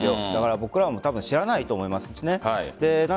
僕らも知らないと思いますしね。